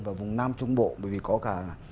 và vùng nam trung bộ bởi vì có cả